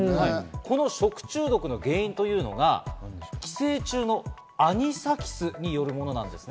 この食中毒の原因というのが、寄生虫のアニサキスによるものなんです。